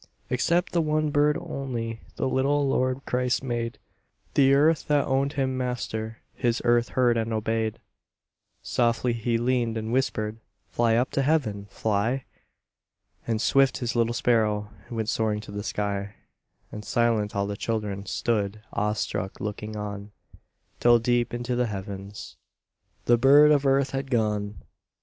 Except the one bird only The little Lord Christ made; The earth that owned Him Master, His earth heard and obeyed. Softly He leaned and whispered: "Fly up to Heaven! Fly!" And swift, His little sparrow Went soaring to the sky, And silent, all the children Stood, awestruck, looking on, Till, deep into the heavens, The bird of earth had gone.